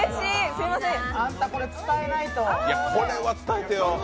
あんた、これ伝えないと。